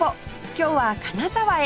今日は金沢へ